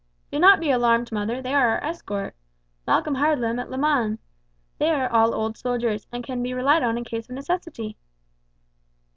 "Do not be alarmed, mother, they are our escort. Malcolm hired them at Le Mans. They are all old soldiers, and can be relied on in case of necessity."